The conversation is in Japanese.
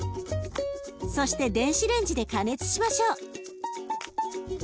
そして電子レンジで加熱しましょう。